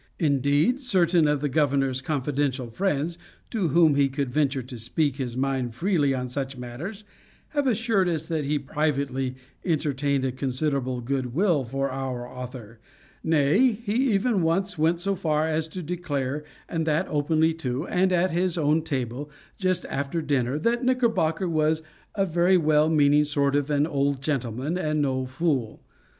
Indeed, certain of the governor's confidential friends, to whom he could venture to speak his mind freely on such matters, have assured us that he privately entertained a considerable good will for our author nay, he even once went so far as to declare, and that openly too, and at his own table, just after dinner, that "Knickerbocker was a very well meaning sort of an old gentleman, and no fool."